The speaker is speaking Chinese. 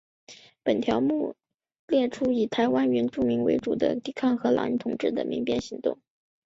本条目列出以台湾原住民为主的抵抗荷兰人统治的民变行动。